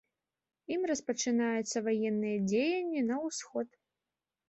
Ім распачынаюцца ваенныя дзеянні на ўсход.